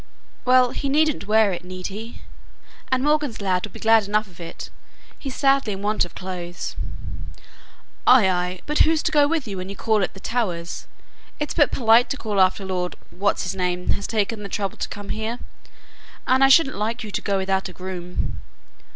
"Well, he needn't wear it, need he? and Morgan's lad will be glad enough of it, he's sadly in want of clothes." "Ay, ay; but who's to go with you when you call at the Towers? It's but polite to call after Lord What's his name has taken the trouble to come here; and I shouldn't like you to go without a groom."